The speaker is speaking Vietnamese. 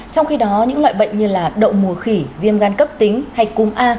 trong khi đó những loại bệnh như là đậu mùa khỉ viêm gan cấp tính hạch cung a